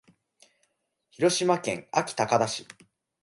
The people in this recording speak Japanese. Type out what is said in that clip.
広島県安芸高田市